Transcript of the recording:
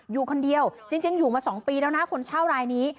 อยู่คนเดียวจริงอยู่มา๒ปีแล้วนะคนเช่ารายนี้